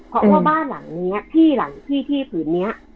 เพราะว่าบ้านหลังนี้ที่หลังที่ที่ผืนนี้